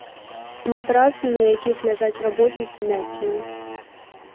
Матрацы, на якіх ляжаць работніцы, мяккія.